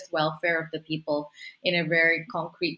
dengan cara yang sangat konkret